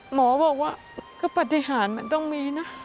หมอบอกว่าก็ปฏิหารมันต้องมีนะ